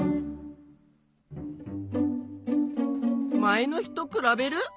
前の日とくらべる？